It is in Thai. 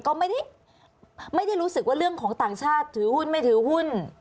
ก็ไม่ได้รู้สึกว่าเรื่องของต่างชาติถือหุ้นไม่ถือหุ้น